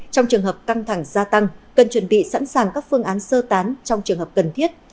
trong trường hợp căng thẳng gia tăng cần chuẩn bị sẵn sàng các phương án sơ tán trong trường hợp cần thiết